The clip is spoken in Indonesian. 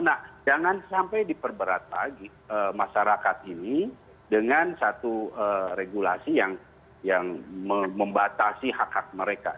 nah jangan sampai diperberat lagi masyarakat ini dengan satu regulasi yang membatasi hak hak mereka